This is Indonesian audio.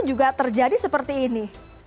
juga terjadi seperti ini